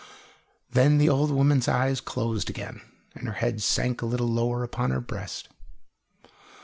Then the old woman's eyes closed again, and her head sank a little lower upon her breast.